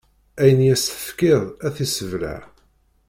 Ayen i yas-d-tefkiḍ ad t-issebleɛ.